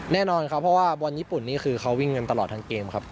แน่นอนครับเพราะว่าบอลญี่ปุ่นนี่คือเขาวิ่งกันตลอดทั้งเกมครับ